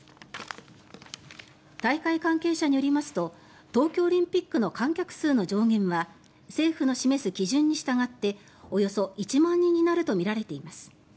大会関係者によりますと東京オリンピックの観客数の上限は政府の示す基準に従っておよそ１万人になるとみられています。